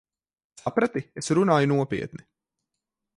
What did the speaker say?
Saprati? Es runāju nopietni.